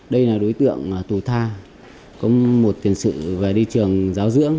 đây là đối tượng tù tha có một tiền sự về đi trường giáo dưỡng